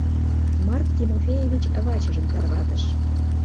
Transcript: — Марк Тимофеевич вачыжым тарватыш.